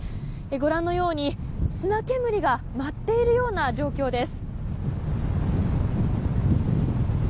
ご覧のように砂煙が舞っているような状況です。